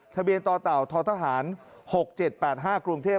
ทะเบียนต่อต่อทหาร๖๗๘๕กรุงเทพฯ